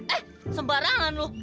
eh sembarangan lo